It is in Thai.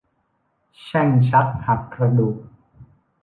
แช่งชักหักกระดูก